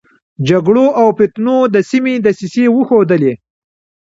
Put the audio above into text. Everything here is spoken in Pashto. جګړو او فتنو د سيمې دسيسې وښودلې.